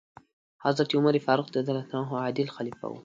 حضرت عمر فاروق رض عادل خلیفه و.